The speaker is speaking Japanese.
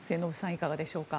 いかがでしょうか。